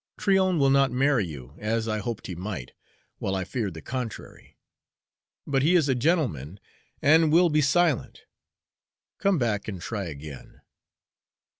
Tryon will not marry you, as I hoped he might, while I feared the contrary; but he is a gentleman, and will be silent. Come back and try again."